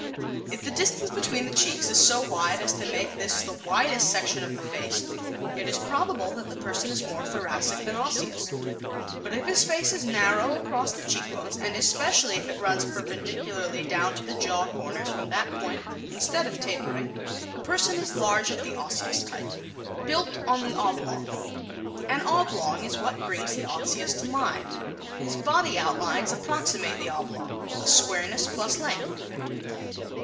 If the distance between the cheeks is so wide as to make this the widest section of the face, it is probable that the person is more Thoracic than Osseous. But if his face is narrow across the cheek bones, and especially if it runs perpendicularly down to the jaw corners from that point instead of tapering, the person is large of the Osseous type. Built on the Oblong ¶ An oblong is what the Osseous brings to mind. His body outlines approximate the oblong a squareness plus length.